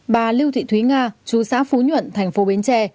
bà lưu thị thúy nga chú xã phú nhuận thành phố bến tre